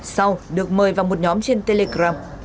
sau được mời vào một nhóm trên telegram